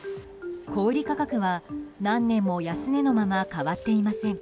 小売価格は何年も安値のまま変わっていません。